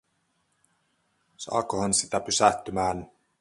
Saakohan sitä pysähtymään?